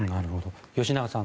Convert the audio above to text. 吉永さん